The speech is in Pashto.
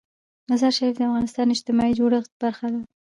مزارشریف د افغانستان د اجتماعي جوړښت برخه ده.